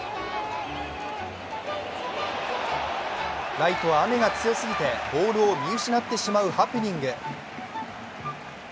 ライトは雨が強すぎて、ボールを見失ってしまうハプニング。